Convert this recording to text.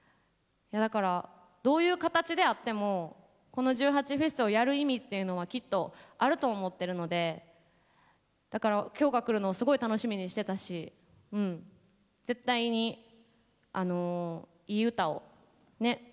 だからどういう形であってもこの１８祭をやる意味っていうのはきっとあると思ってるのでだから今日が来るのをすごい楽しみにしてたし絶対にいい歌をね